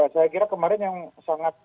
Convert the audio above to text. saya kira kemarin yang sangat